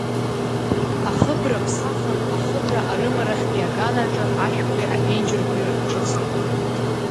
Ахыбра ԥсахын, ахыбра арымарахьтәи аган аҿы ашәқәеи аԥенџьырқәеи рҿыцын.